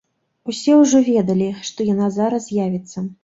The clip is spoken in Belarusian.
Усе ўжо ведалі, што яна зараз з'явіцца.